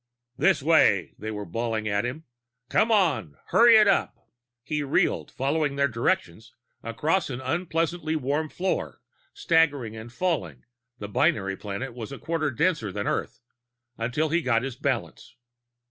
"This way!" they were bawling at him. "Come on, hurry it up!" He reeled, following their directions, across an unpleasantly warm floor, staggering and falling the binary planet was a quarter denser than Earth until he got his balance.